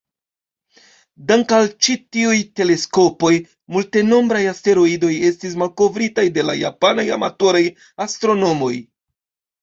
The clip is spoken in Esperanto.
Dank'al ĉi-tiuj teleskopoj, multenombraj asteroidoj estis malkovritaj de la japanaj amatoraj astronomoj.